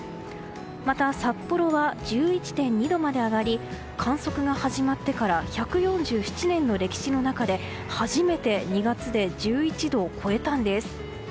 また、札幌は１１．２度まで上がり観測が始まってから１４７年の歴史の中で初めて２月で１１度を超えたんです。